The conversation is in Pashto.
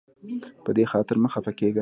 په دې خاطر مه خفه کیږه.